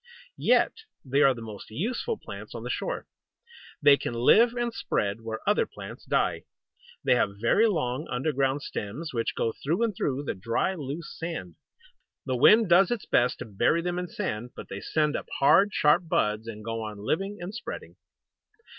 Yet they are the most useful plants on the shore. They can live and spread where other plants die. They have very long underground stems, which go through and through the dry, loose sand. The wind does its best to bury them in sand, but they send up hard, sharp buds, and go on living, and spreading.